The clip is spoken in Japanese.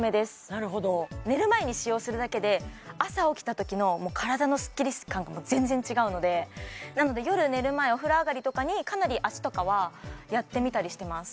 なるほど寝る前に使用するだけで朝起きたときの体のスッキリ感がもう全然違うのでなので夜寝る前お風呂上がりとかにかなり脚とかはやってみたりしてます